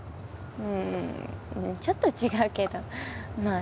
うんちょっと違うけどま